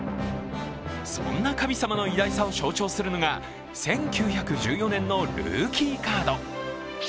そんな神様の偉大さを象徴するのが１９１４年のルーキーカード。